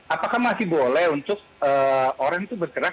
apakah masih boleh untuk orang itu bergerak